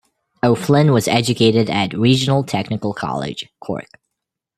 O'Flynn was educated at Regional Technical College, Cork.